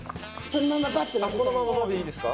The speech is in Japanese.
このままバッでいいんですか？